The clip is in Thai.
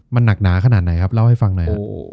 มันหนักหนาขนาดไหนครับเล่าให้ฟังหน่อย